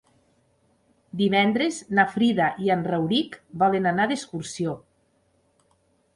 Divendres na Frida i en Rauric volen anar d'excursió.